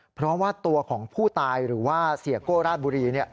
เพราะว่าตัวของผู้ตายหรือว่าเสียโก้ราชบุรี